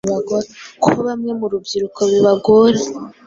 ko bamwe mu rubyiruko bibagora